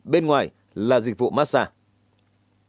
bên ngoài là dịch vụ massage